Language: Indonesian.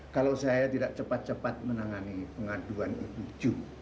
kalau saya tidak cepat cepat menangani pengaduan ibu ju